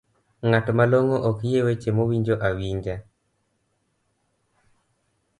ng'at malongo ok yie weche moowinjo awinja